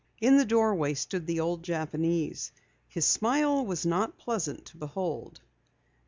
In the doorway stood the old Japanese. His smile was not pleasant to behold.